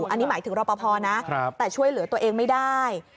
อันนี้หมายถึงรอปภนะแต่ช่วยเหลือตัวเองไม่ได้